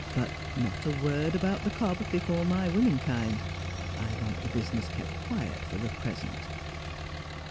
But not a word about the cob before my women kind. I want the business kept quiet for the 1 >resent.'